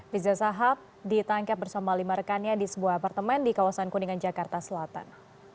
riza sahab ditangkap bersama lima rekannya di sebuah apartemen di kawasan kuningan jakarta selatan